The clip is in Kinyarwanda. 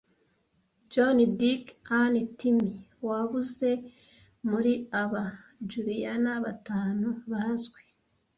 John Dick Ann Timmy wabuze muri aba Julian batanu bazwi